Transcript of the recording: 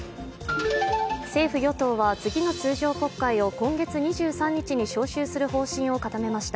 政府・与党は次の通常国会を今月２３日に召集する方針を固めました。